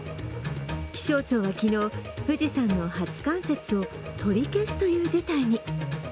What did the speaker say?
気象庁は昨日、富士山の初冠雪を取り消すという事態に。